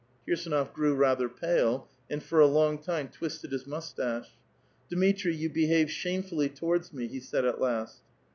Kirsdnof grew rather pale and for a long time twisted his mustache. ''Dmitri, you behave shamefully towards me," he said at last.